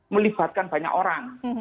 melibatkan banyak orang